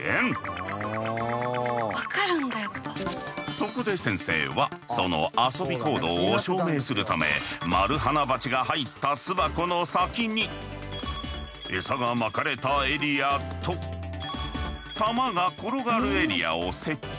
そこで先生はその遊び行動を証明するためマルハナバチが入った巣箱の先に餌がまかれたエリアと玉が転がるエリアを設置。